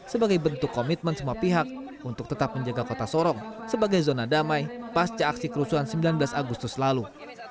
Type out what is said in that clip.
sebagai bentuk komitmen semua pihak untuk tetap menjaga kota sorong sebagai zona damai pasca aksi kerusuhan sembilan belas agustus lalu